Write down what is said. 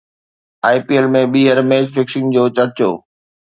آئي P L ۾ ٻيهر match fixing جو چرچو